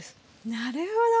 なるほど。